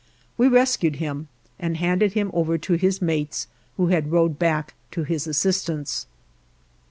We rescued him and handed him over to his mates, who had rowed back to his assistance.